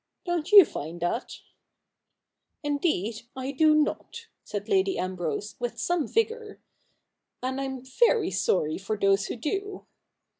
Don't you find that ?'' Indeed I do not,' said Lady Ambrose, with some vigour, ' and I am very sorry for those who do.